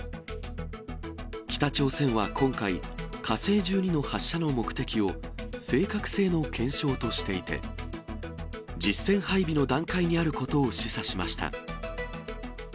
北朝鮮は今回、火星１２の発射の目的を正確性の検証としていて、実戦配備の段階にあることを示唆しました。